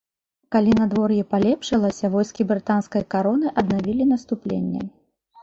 Калі надвор'е палепшылася, войскі брытанскай кароны аднавілі наступленне.